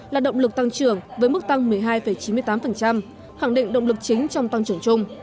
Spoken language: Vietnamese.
là động lực tăng trưởng với mức tăng một mươi hai chín mươi tám khẳng định động lực chính trong tăng trưởng chung